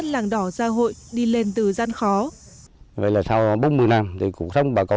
làng đỏ gia hội đi lên từ gian khó